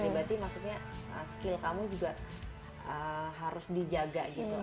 berarti maksudnya skill kamu juga harus dijaga gitu